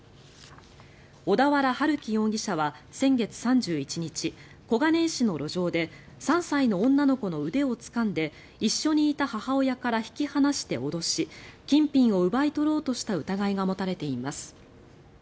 小田原春輝容疑者は先月３１日小金井市の路上で３歳の女の子の腕をつかんで一緒にいた母親から引き離して脅し金品を奪い取ろうとした疑いが持たれています。